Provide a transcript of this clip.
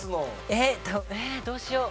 えっどうしよう。